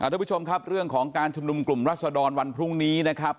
ทุกผู้ชมครับเรื่องของการชุมนุมกลุ่มรัศดรวันพรุ่งนี้นะครับ